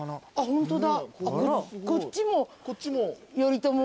ホントだ！